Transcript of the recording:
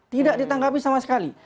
tidak ditanggapi sama sekali